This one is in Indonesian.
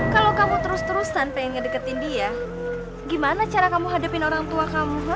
kalau kamu terus terusan pengen ngedeketin dia gimana cara kamu hadapin orang tua kamu